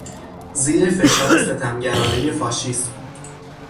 زیر فشار ستمگرانهی فاشیسم